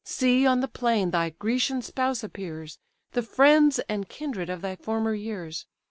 See on the plain thy Grecian spouse appears, The friends and kindred of thy former years.